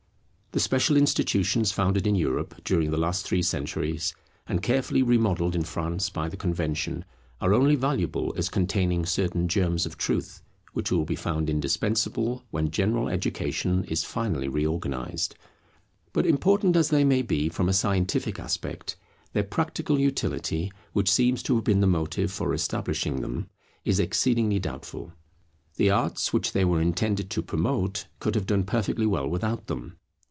The special institutions founded in Europe during the last three centuries, and carefully remodelled in France by the Convention, are only valuable as containing certain germs of truth, which will be found indispensable when general education is finally reorganized. But important as they may be from a scientific aspect, their practical utility, which seems to have been the motive for establishing them, is exceedingly doubtful. The arts which they were intended to promote could have done perfectly well without them.